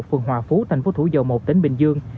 phường hòa phú thành phố thủ dầu một tỉnh bình dương